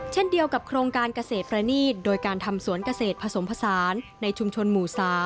เช่นเดียวกับโครงการเกษตรประณีตโดยการทำสวนเกษตรผสมผสานในชุมชนหมู่๓